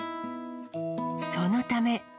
そのため。